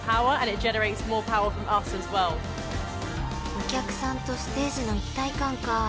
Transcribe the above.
［お客さんとステージの一体感か］